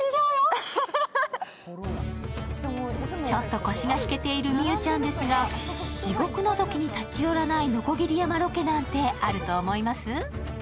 ちょっと腰が引けている美羽ちゃんですが地獄のぞきに立ち寄らない鋸山ロケなんてあると思います？